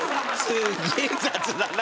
すっげえ雑だな。